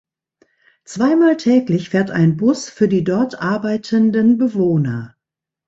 Zweimal täglich fährt ein Bus für die dort arbeitenden Bewohner.